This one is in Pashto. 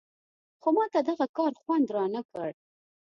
خو ماته دغه کار خوند نه راکړ.